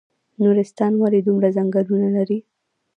نورستان ولې دومره ځنګلونه لري؟